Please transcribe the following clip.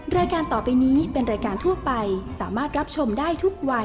รายการต่อไปนี้เป็นรายการทั่วไปสามารถรับชมได้ทุกวัย